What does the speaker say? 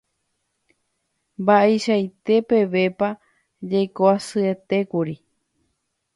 Mba'eichaite pevépa jaikoasyetékuri.